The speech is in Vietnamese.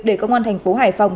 để công an thành phố hải phòng